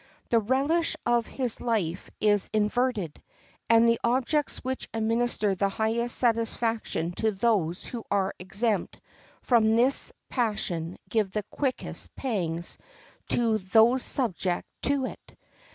The relish of his life is inverted, and the objects which administer the highest satisfaction to those who are exempt from this passion give the quickest pangs to those subject to it.